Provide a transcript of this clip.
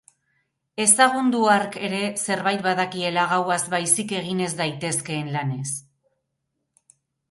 Ezagun du hark ere zerbait badakiela gauaz baizik egin ez daitezkeen lanez.